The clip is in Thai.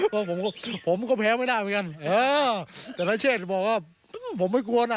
ก็ผมก็ผมก็แพ้ไม่ได้เหมือนกันเออแต่นเชษบอกว่าผมไม่กลัวน่ะ